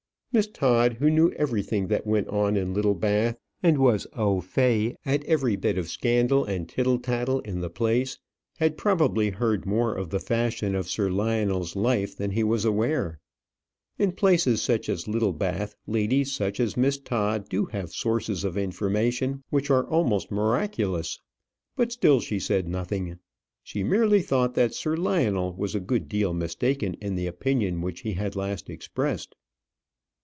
Miss Todd, who knew everything that went on in Littlebath, and was au fait at every bit of scandal and tittle tattle in the place, had probably heard more of the fashion of Sir Lionel's life than he was aware. In places such as Littlebath, ladies such as Miss Todd do have sources of information which are almost miraculous. But still she said nothing. She merely thought that Sir Lionel was a good deal mistaken in the opinion which he had last expressed.